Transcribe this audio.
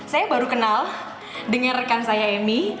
saya baru kenal dengan rekan saya emy